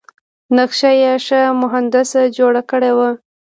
نقشه یې ښه مهندس جوړه کړې وه.